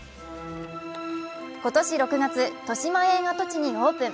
今年６月、としまえん跡地にオープン。